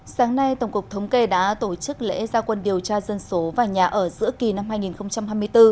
sáng nay tổng cục thống kê đã tổ chức lễ gia quân điều tra dân số và nhà ở giữa kỳ năm hai nghìn hai mươi bốn